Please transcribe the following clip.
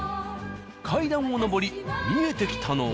階段を上り見えてきたのは。